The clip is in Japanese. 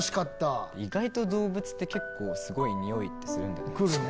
意外と動物って結構すごいニオイってするんだね。